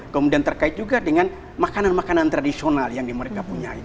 kemudian terkait juga dengan makanan makanan tradisional yang mereka punya